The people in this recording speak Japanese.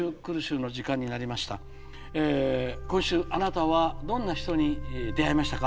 今週あなたはどんな人に出会いましたか。